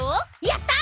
やった！